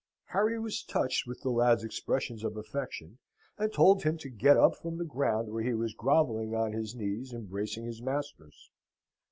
Harry was touched with the lad's expressions of affection, and told him to get up from the ground where he was grovelling on his knees, embracing his master's.